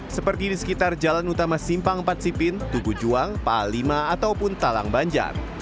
seperti di sekitar jalan utama simpang patsipin tubu juang palima ataupun talang banjar